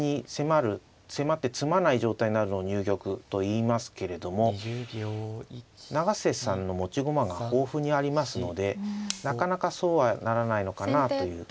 迫って詰まない状態になるのを入玉といいますけれども永瀬さんの持ち駒が豊富にありますのでなかなかそうはならないのかなという感じがします。